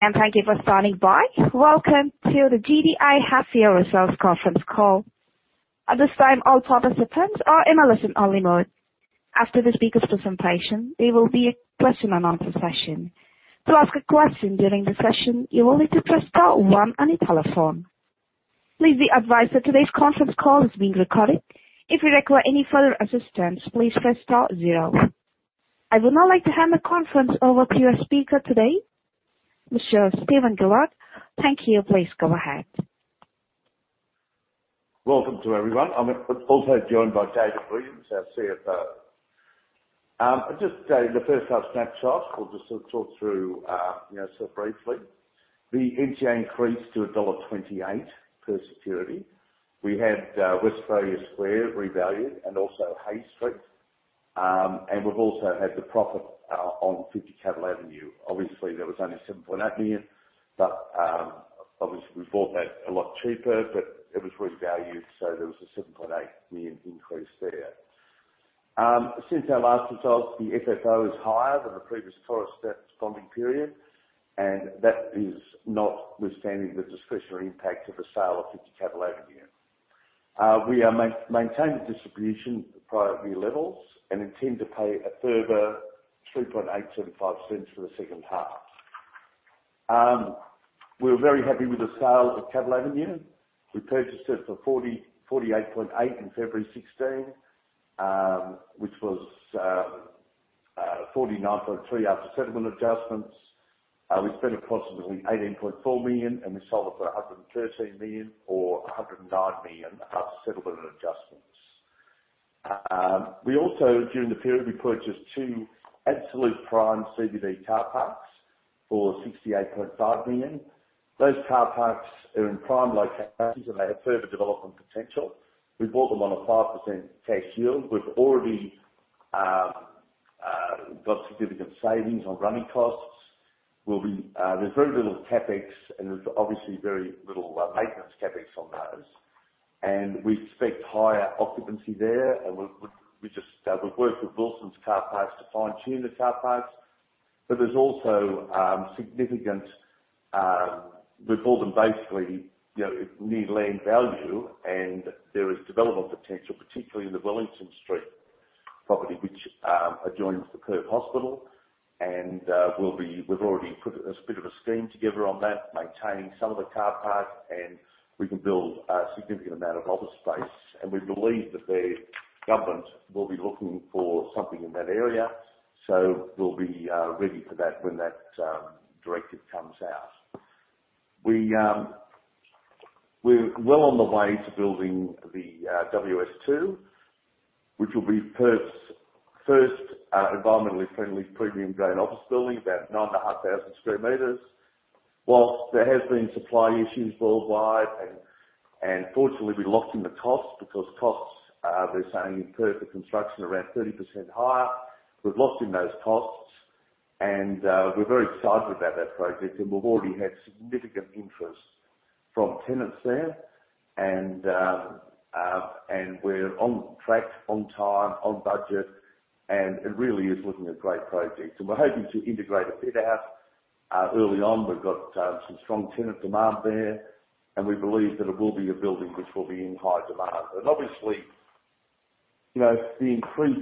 Thank you for standing by. Welcome to the GDI half-year results conference call. At this time, all participants are in a listen-only mode. After the speaker's presentation, there will be a question and answer session. To ask a question during the session, you will need to press star one on your telephone. Please be advised that today's conference call is being recorded. If you require any further assistance, please press star zero. I would now like to hand the conference over to our speaker today, Mr. Steve Gillard. Thank you. Please go ahead. Welcome to everyone. I'm also joined by David Williams, our CFO. Just the first half snapshot. We'll just sort of talk through, you know, sort of briefly. The NTA increased to dollar 1.28 per security. We had Westralia Square revalued and also Hay Street. We've also had the profit on 50 Cavill Avenue. Obviously, that was only 7.8 million, but obviously, we bought that a lot cheaper, but it was revalued, so there was a 7.8 million increase there. Since our last results, the FFO is higher than the previous corresponding period, and that is notwithstanding the discretionary impact of the sale of 50 Cavill Avenue. We are maintain the distribution at the prior year levels and intend to pay a further 0.03875 for the second half. We're very happy with the sale of Cavill Avenue. We purchased it for 48.8 million in February 2016, which was 49.3 after settlement adjustments. We spent approximately 18.4 million, and we sold it for 113 million or 109 million after settlement adjustments. We also, during the period, purchased two absolute prime CBD car parks for 68.5 million. Those car parks are in prime locations, and they have further development potential. We bought them on a 5% cash yield. We've already got significant savings on running costs. We'll be, there's very little CapEx, and there's obviously very little maintenance CapEx on those. We expect higher occupancy there. We just, we've worked with Wilson Parking to fine-tune the car parks. There's also significant. We've bought them basically, you know, near land value, and there is development potential, particularly in the Wellington Street property, which adjoins the Perth Hospital. We've already put a sketch of a scheme together on that, maintaining some of the car park, and we can build a significant amount of office space. We believe that the government will be looking for something in that area. So we'll be ready for that when that directive comes out. We're well on the way to building the WS 2, which will be Perth's first environmentally friendly premium grade office building, about 9,500 sq m. While there has been supply issues worldwide and fortunately we locked in the costs because costs they're saying in Perth, the construction around 30% higher. We've locked in those costs and we're very excited about that project, and we've already had significant interest from tenants there. We're on track, on time, on budget, and it really is looking a great project. We're hoping to integrate a fit out early on. We've got some strong tenant demand there, and we believe that it will be a building which will be in high demand. Obviously, you know, the increased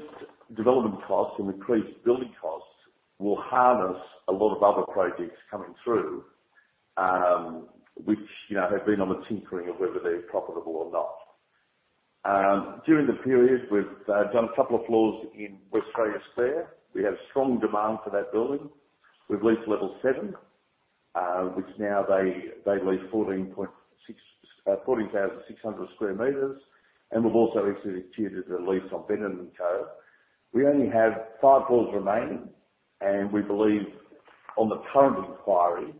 development costs and increased building costs will hinder a lot of other projects coming through, which, you know, have been teetering on whether they're profitable or not. During the period, we've done a couple of floors in Westralia Square. We have strong demand for that building. We've leased level 7, which now they lease 14,600 sq m. We've also executed a lease on Benington Cove. We only have 5 floors remaining, and we believe on the current inquiry,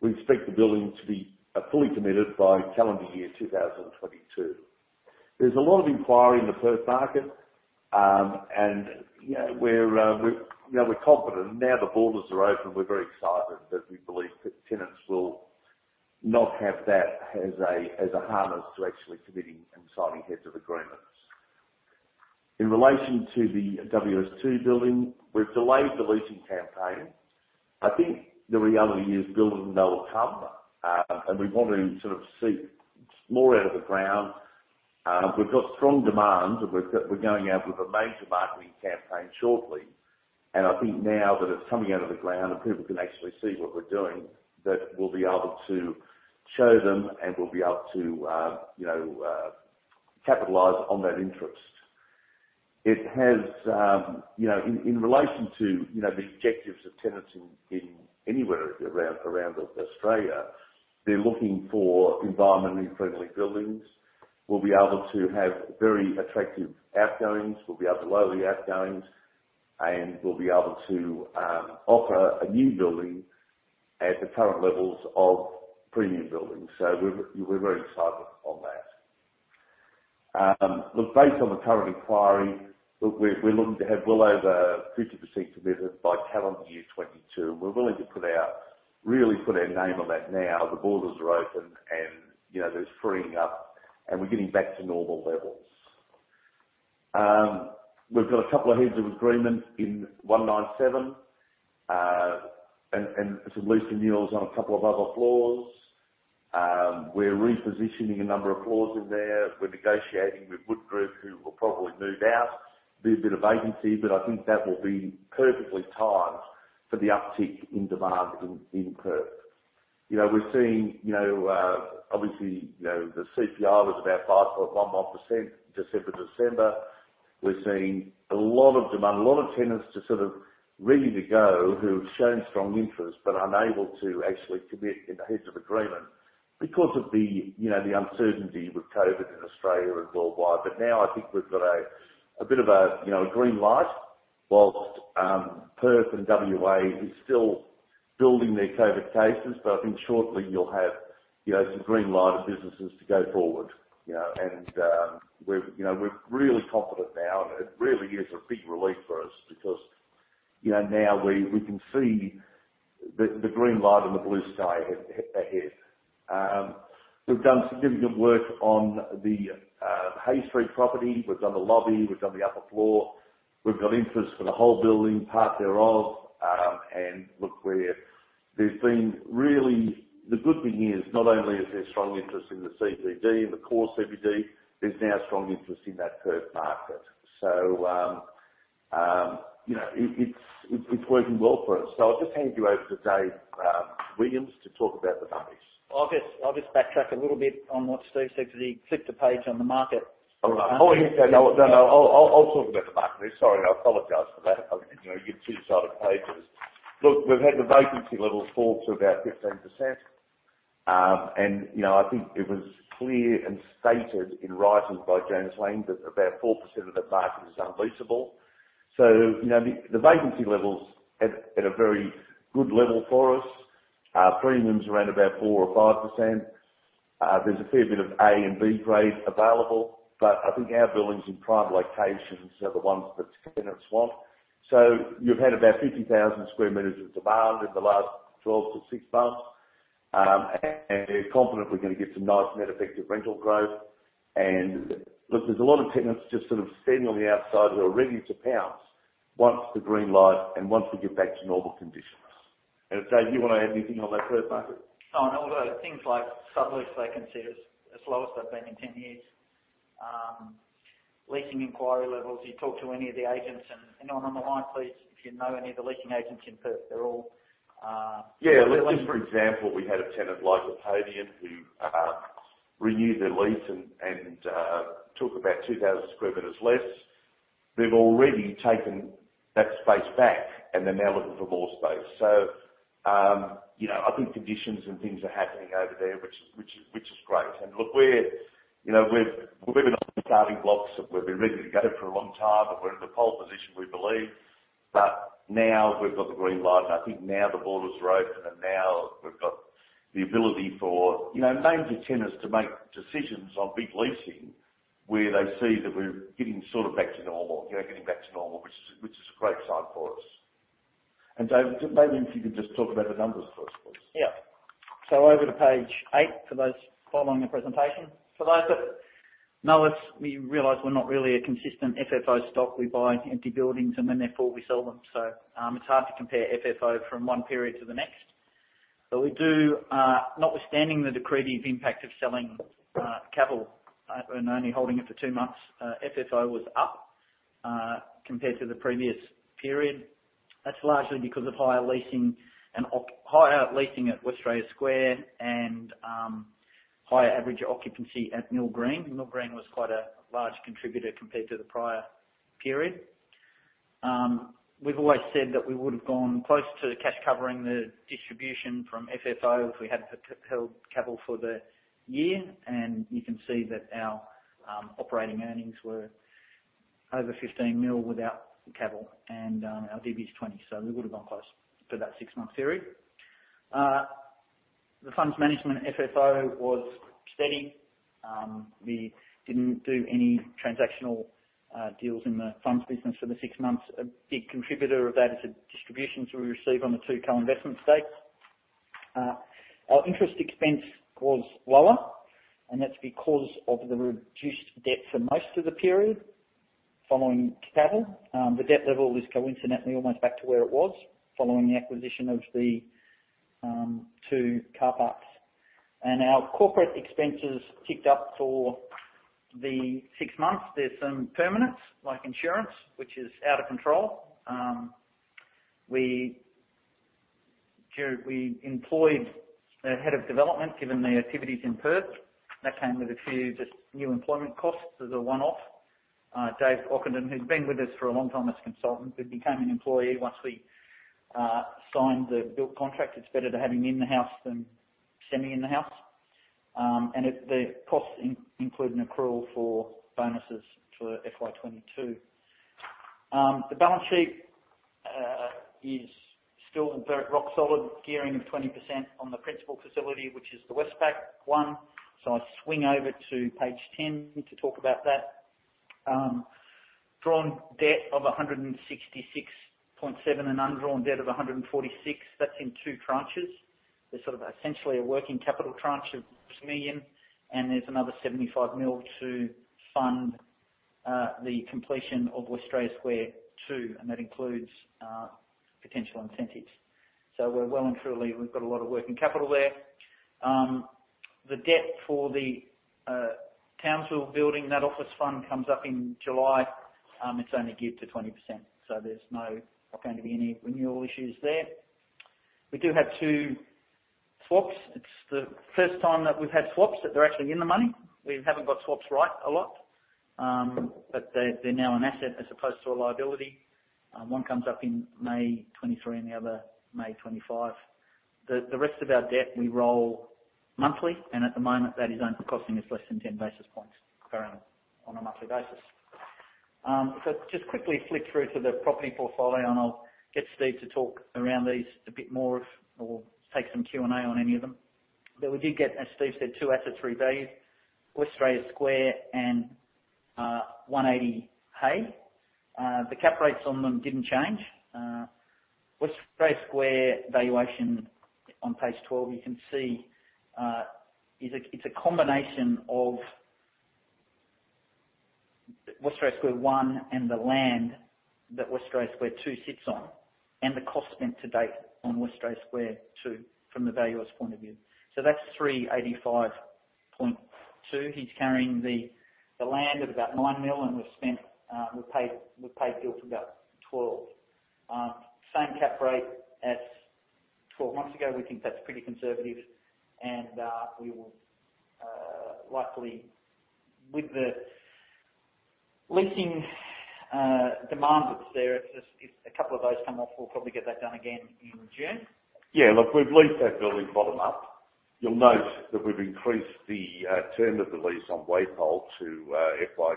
we expect the building to be fully committed by calendar year 2022. There's a lot of inquiry in the Perth market, and you know, we're confident. Now the borders are open, we're very excited that we believe that tenants will not have that as a hindrance to actually committing and signing heads of agreement. In relation to the WS 2 building, we've delayed the leasing campaign. I think the reality is building they'll come, and we want to sort of see more out of the ground. We've got strong demand. We're going out with a major marketing campaign shortly. I think now that it's coming out of the ground and people can actually see what we're doing, that we'll be able to show them and we'll be able to, you know, capitalize on that interest. It has, you know, in relation to, you know, the objectives of tenants in anywhere around Australia, they're looking for environmentally friendly buildings. We'll be able to have very attractive outgoings. We'll be able to lower the outgoings, and we'll be able to offer a new building at the current levels of premium buildings. We're very excited on that. Look, based on the current inquiry, we're looking to have well over 50% committed by calendar year 2022. We're willing to put our, really put our name on that now. The borders are open and, you know, there's freeing up and we're getting back to normal levels. We've got a couple of heads of agreement in 197, and some leasing deals on a couple of other floors. We're repositioning a number of floors in there. We're negotiating with Wood Group who will probably move out. Be a bit of vacancy, but I think that will be perfectly timed for the uptick in demand in Perth. You know, we're seeing, you know, obviously, you know, the CPI was about 5.11% December to December. We're seeing a lot of demand, a lot of tenants just sort of ready to go, who've shown strong interest but are unable to actually commit in the heads of agreement because of the, you know, the uncertainty with COVID in Australia and worldwide. Now I think we've got a bit of a, you know, a green light while Perth and WA is still building their COVID cases. I think shortly you'll have, you know, some green light of businesses to go forward. You know, we're, you know, really confident now, and it really is a big relief for us because, you know, now we can see the green light and the blue sky ahead. We've done significant work on the Hay Street property. We've done the lobby. We've done the upper floor. We've got interest for the whole building, part thereof. Look, the good thing is not only is there strong interest in the CBD, in the core CBD, there's now strong interest in that Perth market. You know, it's working well for us. I'll just hand you over to Dave Williams to talk about the numbers. I'll just backtrack a little bit on what Steve said, because he flipped a page on the market. Yeah. No, I'll talk about the market. Sorry, I apologize for that. You know, two-sided pages. Look, we've had the vacancy level fall to about 15%. You know, I think it was clear and stated in writing by JLL that about 4% of that market is unleaseable. You know, the vacancy levels at a very good level for us. Premiums around about 4% or 5%. There's a fair bit of A- and B-grade available, but I think our buildings in prime locations are the ones that tenants want. You've had about 50,000 sq m of demand in the last 12 to 6 months, and we're confident we're gonna get some nice net effective rental growth. Look, there's a lot of tenants just sort of standing on the outside who are ready to pounce once the green light and once we get back to normal conditions. Dave, you want to add anything on that Perth market? Oh, no. Look, things like sublet vacancy is as low as they've been in 10 years. Leasing inquiry levels, you talk to any of the agents and anyone on the line, please, if you know any of the leasing agents in Perth, they're all Yeah. Just for example, we had a tenant like Apadana who renewed their lease and took about 2,000 sq m less. They've already taken that space back, and they're now looking for more space. You know, I think conditions and things are happening over there, which is great. Look, you know, we've been on the starting blocks and we've been ready to go for a long time, and we're in the pole position, we believe. Now we've got the green light, and I think now the border's open, and now we've got the ability for, you know, major tenants to make decisions on big leasing where they see that we're getting sort of back to normal. You know, getting back to normal, which is a great sign for us. Dave, maybe if you could just talk about the numbers for us, please. Yeah. Over to page 8 for those following the presentation. For those that know us, we realize we're not really a consistent FFO stock. We buy empty buildings and then therefore we sell them. It's hard to compare FFO from one period to the next. We do, notwithstanding the accretive impact of selling Cavill and only holding it for two months, FFO was up compared to the previous period. That's largely because of higher leasing at Westralia Square and higher average occupancy at Mill Green. Mill Green was quite a large contributor compared to the prior period. We've always said that we would have gone close to cash covering the distribution from FFO if we had held Cavill for the year. You can see that our operating earnings were over 15 million without Cavill and our DB is 20, so we would have gone close for that 6-month period. The funds management FFO was steady. We didn't do any transactional deals in the funds business for the 6 months. A big contributor of that is the distributions we received on the 2 co-investment stakes. Our interest expense was lower, and that's because of the reduced debt for most of the period following Cavill. The debt level is coincidentally almost back to where it was following the acquisition of the 2 car parks. Our corporate expenses ticked up for the 6 months. There's some permanents like insurance, which is out of control. We employed a head of development given the activities in Perth. That came with a few just new employment costs as a one-off. Dave Ockenden, who's been with us for a long time as a consultant, but became an employee once we signed the built contract. It's better to have him in the house than semi in the house. The costs include an accrual for bonuses for FY 2022. The balance sheet is still very rock solid, gearing of 20% on the principal facility, which is the Westpac one. I swing over to page 10 to talk about that. Drawn debt of 166.7 million and undrawn debt of 146 million. That's in two tranches. There's sort of essentially a working capital tranche of 2 million, and there's another 75 million to fund the completion of Western Australia Square 2, and that includes potential incentives. We've got a lot of working capital there. The debt for the Townsville building, that office fund, comes up in July. It's only geared to 20%, so there's not going to be any renewal issues there. We do have 2 swaps. It's the first time that we've had swaps, that they're actually in the money. We haven't got swaps right a lot. They're now an asset as opposed to a liability. One comes up in May 2023 and the other May 2025. The rest of our debt we roll monthly, and at the moment, that is only costing us less than 10 basis points currently on a monthly basis. Just quickly flip through to the property portfolio, and I'll get Steve to talk around these a bit more if or take some Q&A on any of them. We did get, as Steve said, two asset revalues, West Australia Square and 180 Hay. The cap rates on them didn't change. West Australia Square valuation, on page 12, you can see, is a combination of West Australia Square one and the land that West Australia Square two sits on, and the cost spent to date on West Australia Square two from the valuer's point of view. That's 385.2 million. He's carrying the land at about 9 million, and we've paid bills for about 12 million. Same cap rate as 12 months ago. We think that's pretty conservative and we will likely with the leasing demand that's there, if a couple of those come off, we'll probably get that done again in June. Yeah. Look, we've leased that building bottom up. You'll note that we've increased the term of the lease on WAPOL to FY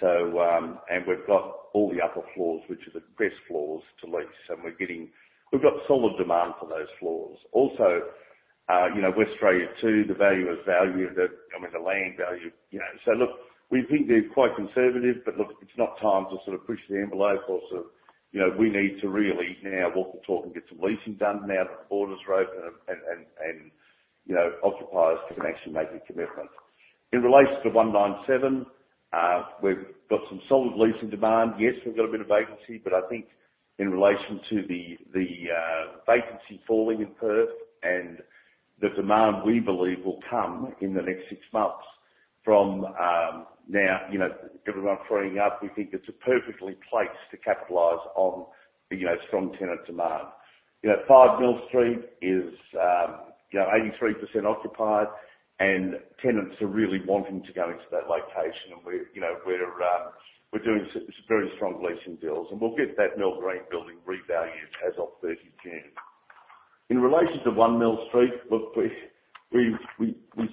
2029. We've got all the upper floors, which are the best floors to lease, and we've got solid demand for those floors. Also, you know, Western Australia too, the value is value. The, I mean, the land value, you know. Look, we think they're quite conservative, but look, it's not time to sort of push the envelope or sort of, you know, we need to really now walk the talk and get some leasing done now that the border's open and, you know, occupiers can actually make a commitment. In relation to 197, we've got some solid leasing demand. Yes, we've got a bit of vacancy, but I think in relation to the vacancy falling in Perth and the demand we believe will come in the next six months from now, you know, everyone freeing up, we think it's a perfect place to capitalize on, you know, strong tenant demand. You know, 5 Mill Street is, you know, 83% occupied, and tenants are really wanting to go into that location. We're, you know, doing some very strong leasing deals, and we'll get that Mill Green building revalued as of 30 June. In relation to 1 Mill Street, look, we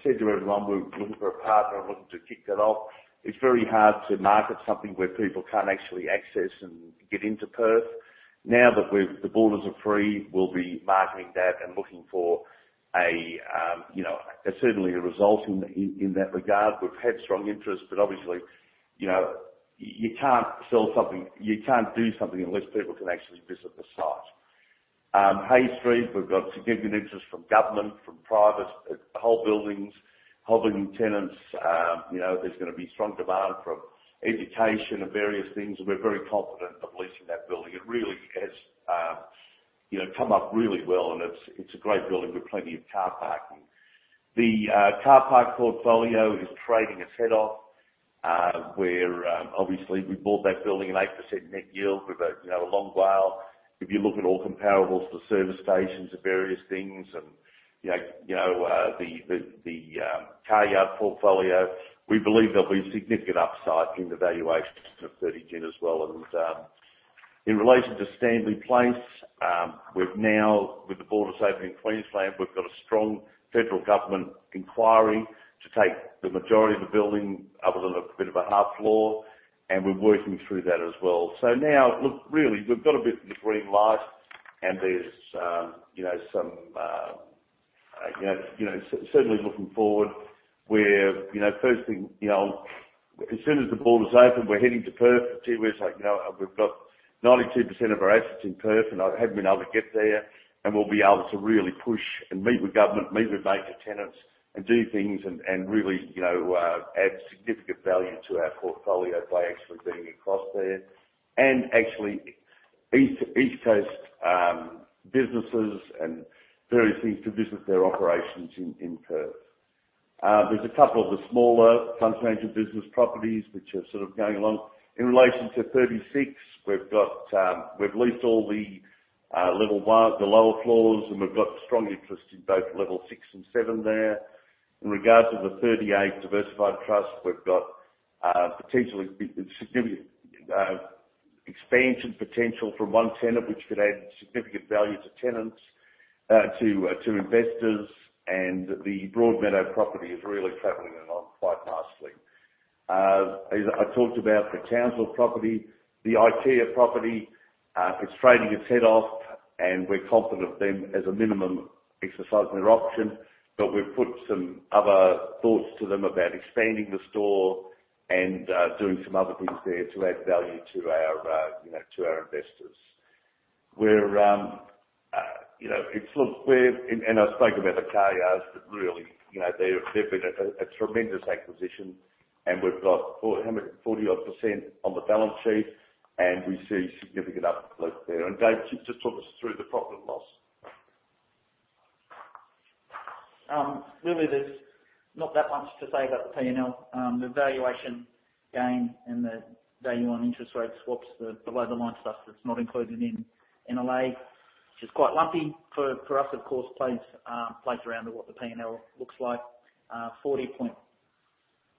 said to everyone we were looking for a partner and looking to kick that off. It's very hard to market something where people can't actually access and get into Perth. Now that the borders are free, we'll be marketing that and looking for a, you know, certainly a result in that regard. We've had strong interest, but obviously, you know, you can't do something unless people can actually visit the site. Hay Street, we've got significant interest from government, from private, whole building tenants. You know, there's gonna be strong demand from education and various things, and we're very confident of leasing that building. It really has come up really well, and it's a great building with plenty of car parking. The car park portfolio is trading its head off. We're obviously we bought that building at 8% net yield. We've got, you know, a long while. If you look at all comparables, the service stations and various things and, you know, the car yard portfolio, we believe there'll be significant upside in the valuation of 30 June as well. In relation to Stanley Place, with the borders open in Queensland, we've got a strong federal government inquiry to take the majority of the building other than a bit of a half floor, and we're working through that as well. Now, look, really, we've got a bit of a green light and there's, you know, some, you know, certainly looking forward, we're, you know, first thing, you know, as soon as the borders open, we're heading to Perth. The team was like, "You know, we've got 92% of our assets in Perth, and I haven't been able to get there." We'll be able to really push and meet with government, meet with major tenants and do things and really, you know, add significant value to our portfolio by actually being across there and actually east coast businesses and various things to visit their operations in Perth. There's a couple of the smaller country agent business properties which are sort of going along. In relation to 36, we've got, we've leased all the level 1, the lower floors, and we've got strong interest in both level 6 and 7 there. In regard to the 38 Diversified Trust, we've got potentially expansion potential from one tenant, which could add significant value to tenants, to investors, and the Broadmeadow property is really traveling along quite nicely. As I talked about the council property, the IKEA property, it's trading its head off and we're confident of them as a minimum exercising their option, but we've put some other thoughts to them about expanding the store, doing some other things there to add value to our, you know, to our investors. I spoke about the KR's, but really, you know, they've been a tremendous acquisition, and we've got 40-odd% on the balance sheet, and we see significant uplift there. Dave, just talk us through the profit and loss. Really there's not that much to say about the P&L. The valuation gain and the value on interest rate swaps, the below-the-line stuff that's not included in NLA, which is quite lumpy for us, of course, plays around with what the P&L looks like. 40.1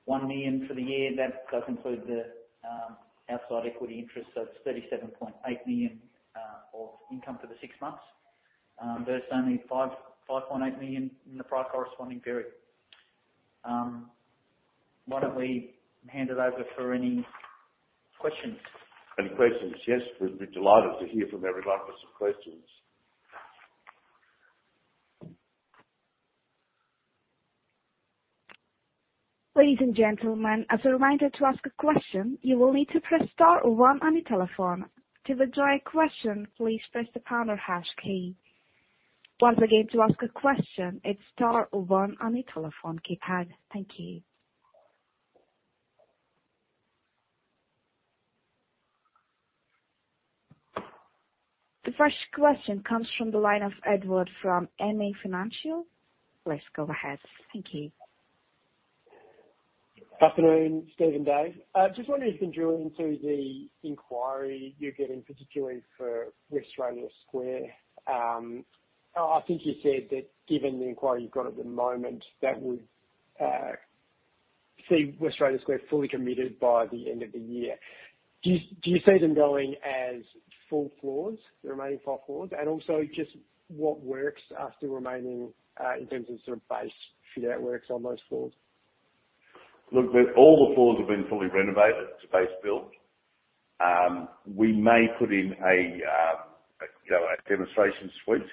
million for the year. That does include the outside equity interest, so it's 37.8 million of income for the six months. Versus only 5.8 million in the prior corresponding period. Why don't we hand it over for any questions? Any questions? Yes. We'd be delighted to hear from everyone for some questions. Ladies and gentlemen, as a reminder, to ask a question, you will need to press star one on your telephone. To withdraw your question, please press the pound or hash key. Once again, to ask a question, it's star one on your telephone keypad. Thank you. The first question comes from the line of Edward from MA Financial. Please go ahead. Thank you. Afternoon, Steve and Dave. I just wonder if you can drill into the inquiry you're getting, particularly for Westralia Square. I think you said that given the inquiry you've got at the moment, that would see Westralia Square fully committed by the end of the year. Do you see them going as full floors, the remaining four floors? And also just what works are still remaining in terms of sort of base fit-out works on those floors? Look, all the floors have been fully renovated to base build. We may put in a, you know, a demonstration suite.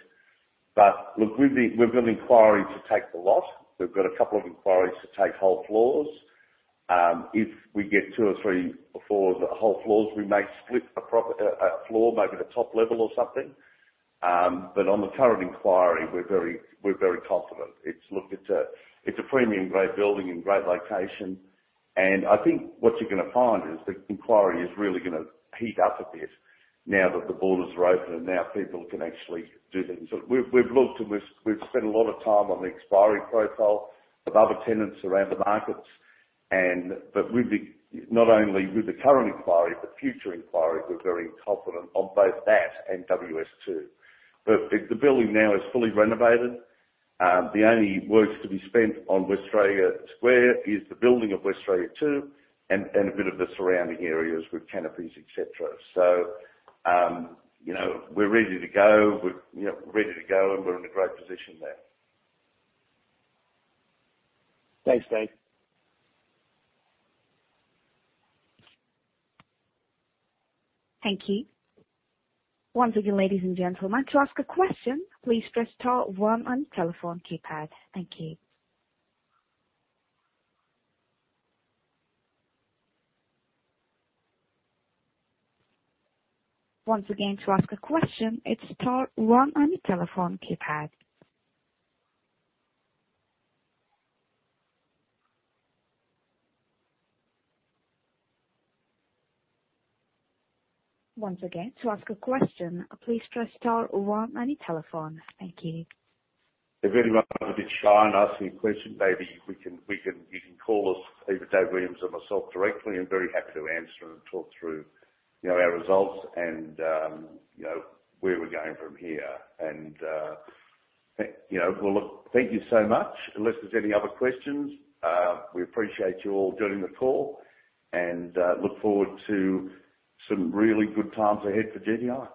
But look, we've been inquiring to take the lot. We've got a couple of inquiries to take whole floors. If we get two or three floors, whole floors, we may split a floor, maybe the top level or something. But on the current inquiry, we're very confident. It's a premium grade building and great location. I think what you're gonna find is the inquiry is really gonna heat up a bit now that the borders are open and now people can actually do things. We've looked and we've spent a lot of time on the expiry profile of other tenants around the markets. With the not only with the current inquiry, but future inquiries, we're very confident on both that and WA 2. The building now is fully renovated. The only works to be spent on Western Australia Square is the building of Western Australia 2 and a bit of the surrounding areas with canopies, et cetera. You know, we're ready to go. We're ready to go, and we're in a great position there. Thanks, Dave. Thank you. Once again, ladies and gentlemen, to ask a question, please press star one on telephone keypad. Thank you. Once again, to ask a question, it's star one on your telephone keypad. Once again, to ask a question, please press star one on your telephone. Thank you. If anyone's a bit shy on asking a question, maybe you can call us, either Dave Williams or myself directly. I'm very happy to answer and talk through, you know, our results and, you know, where we're going from here. You know, well, look, thank you so much. Unless there's any other questions, we appreciate you all joining the call and, we look forward to some really good times ahead for GDI.